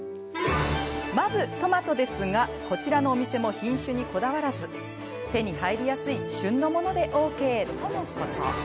まず、トマトですがこちらのお店も品種にこだわらず手に入りやすい旬のものでＯＫとのこと。